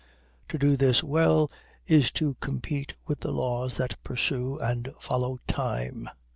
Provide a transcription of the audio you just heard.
To do this well is to compete with the laws that pursue and follow Time.